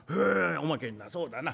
「おまけになそうだな